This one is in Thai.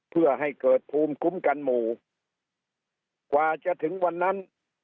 เพื่อให้เกิดภูมิคุ้มกันหมู่กว่าจะถึงวันนั้น